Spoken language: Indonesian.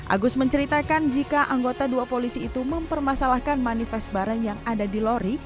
agus menceritakan jika anggota dua polisi itu mempermasalahkan manifest barang yang ada di lori